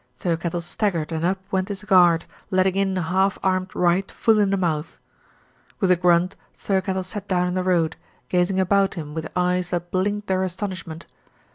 Thirkettle staggered and up went his guard, letting in a half armed right full in the mouth. With a grunt Thirkettle sat down in the road, gaz ing about him with eyes that blinked their astonish ment.